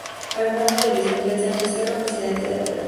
Hermano de Luis Miguel Sánchez Cerro, presidente del Perú.